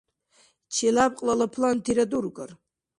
Челябкьлала плантира дургар?